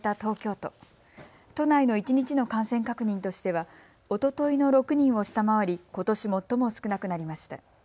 都内の一日の感染確認としてはおとといの６人を下回りことし最も少なくなりました。